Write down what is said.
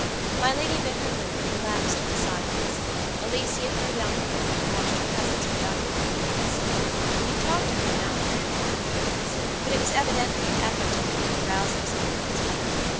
My lady bit her lip, and relapsed into silence. Alicia threw down her book, and watched her cousin's preoccupied face. He talked to her now and then for a few minutes, but it was evidently an effort to him to arouse himself from his revery.